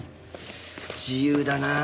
自由だなあ。